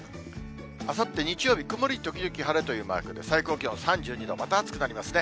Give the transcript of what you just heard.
あさって日曜日、曇り時々晴れというマークで、最高気温３２度、また暑くなりますね。